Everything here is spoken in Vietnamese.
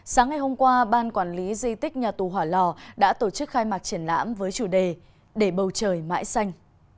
sáng ngày hôm qua ban quản lý di tích nhà tù hỏa lò đã tổ chức khai mạc triển lãm với chủ đề để bầu trời mãi xanh